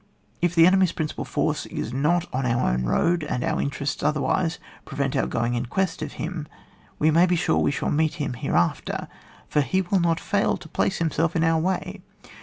If the enemy's principal force is not on our road, and our interests otherwise prevent our going in quest of him, we may be sure we shall meet with him hereafter, for he will not fail to place himself in our way.